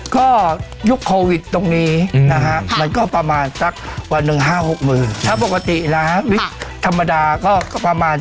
ก็ยุคโควิดตรงนี้นะฮะมันก็ประมาณสักวันนึง๕๖โมน